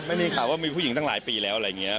ไม่มีข่าวว่ามีผู้หญิงตั้งหลายปีแล้วอะไรอย่างนี้